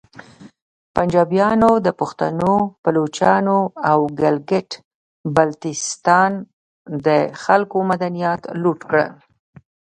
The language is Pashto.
پنجابیانو د پختنو، بلوچانو او ګلګیت بلتیستان د خلکو معدنیات لوټ کړل